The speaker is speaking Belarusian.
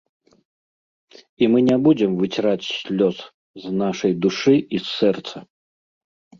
І мы не будзем выціраць слёз з нашай душы і сэрца.